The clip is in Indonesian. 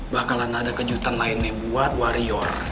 bakalan ada kejutan lainnya buat warrior